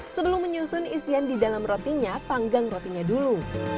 sebelum menyusun isian di dalam rotinya panggang rotinya dulu